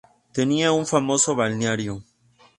Tenía un famoso balneario.